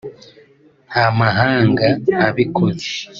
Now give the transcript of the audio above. nta mahanga abikoze